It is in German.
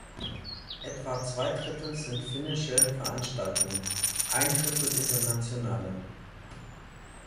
Etwa zwei Drittel sind finnische Veranstaltungen, ein Drittel internationale.